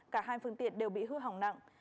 cả hai phương tiện đều bị hư hỏng nặng